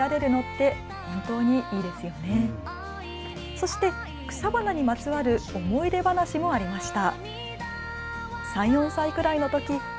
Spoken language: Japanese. そして草花にまつわる思い出話もありました。